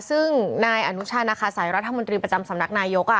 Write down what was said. ซึ่งนายอนุชานาคาสัยรัฐมนตรีประจำสำนักนายก